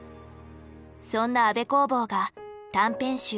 そんな安部公房が短編集